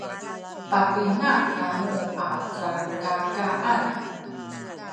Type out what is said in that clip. papina kamu a calkakaan?